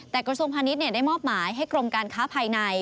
แต่กระทรวงพาณิชย์ได้มอบหมายให้กรมการค้าภายใน